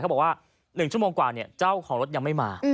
บอกว่า๑ชั่วโมงกว่าเจ้าของรถยังไม่มา